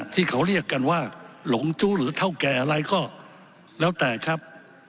ที่เขาเรียกกันว่าหลงจู้หรือเท่าแก่อะไรก็แล้วแต่ครับ